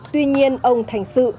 tuy nhiên ông thành sự